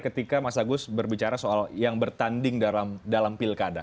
ketika mas agus berbicara soal yang bertanding dalam pilkada